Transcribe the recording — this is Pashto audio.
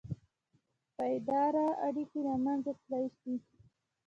پایداره اړیکې له منځه تللي دي.